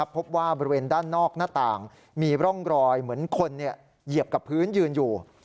พบว่าบริเวณด้านนอกหน้าต่างมีร่องรอยเหมือนคนเหยียบกับพื้นยืนอยู่